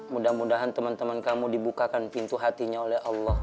mudah mudahan teman teman kamu dibukakan pintu hatinya oleh allah